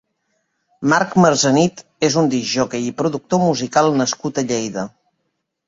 Marc Marzenit és un discjòquei i productor musical nascut a Lleida.